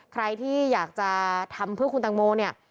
ใครที่อยากจะทำเพื่อคุณตังโมเนี่ย